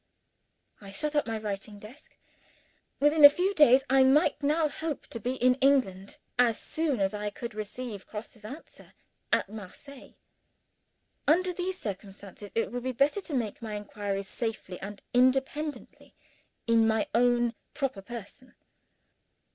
I shut up my writing desk. Within a few days, I might now hope to be in England as soon as I could receive Grosse's answer at Marseilles. Under these circumstances, it would be better to wait until I could make my inquiries, safely and independently, in my own proper person.